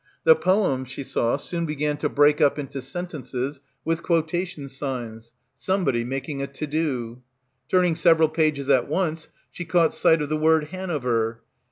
The poem, she saw, soon began to break up into sentences with quota tion signs; somebody making a to do. Turning several pages at once, she caught sight of the word Hanover.